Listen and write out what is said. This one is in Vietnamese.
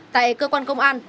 tại cơ quan công an